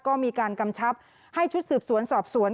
ก็มีการกำชับให้ชุดสืบสวนสอบสวน